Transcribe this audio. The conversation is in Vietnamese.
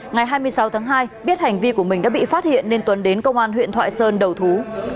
ngày hai mươi sáu tháng hai biết hành vi của mình đã bị phát hiện nên tuấn đến công an huyện thoại sơn đầu thú